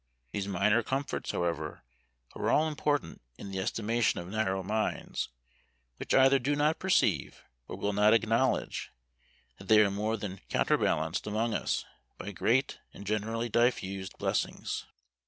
These minor comforts, however, are all important in the estimation of narrow minds; which either do not perceive, or will not acknowledge, that they are more than counterbalanced among us, by great and generally diffused blessings.